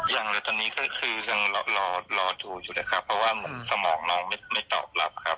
ยังเลยตอนนี้ก็คือยังรอดูอยู่นะครับเพราะว่าสมองเราไม่ตอบรับครับ